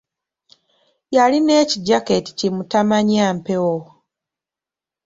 Yalina ekijaketi ki mutamanyampewo.